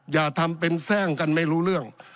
อย่าทำเป็นแทร่งกันไม่รู้เรื่อง